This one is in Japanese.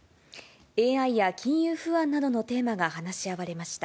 ＡＩや金融不安などのテーマが話し合われました。